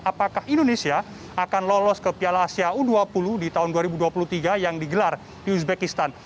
apakah indonesia akan lolos ke piala asia u dua puluh di tahun dua ribu dua puluh tiga yang digelar di uzbekistan